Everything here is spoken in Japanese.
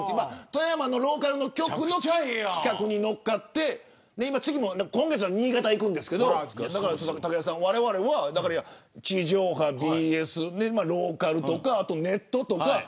富山のローカルの局の企画に乗っかって次も、今月新潟に行くんですけれどわれわれは地上波ＢＳ、ローカルとかネットとか。